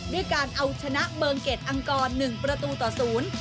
ด้วยการเอาชนะเบิงเกดอังกร๑ประตูต่อศูนย์